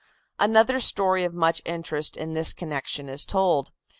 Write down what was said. Another story of much interest in this connection is told.